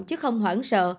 chứ không hoảng sợ